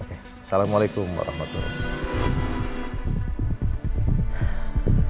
assalamualaikum warahmatullahi wabarakatuh